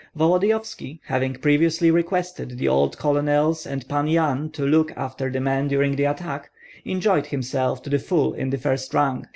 Volodyovski, having previously requested the old colonels and Pan Yan to look after the men during the attack, enjoyed himself to the full in the first rank.